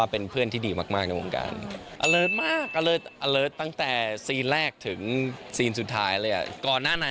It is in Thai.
เป็นคนสนุก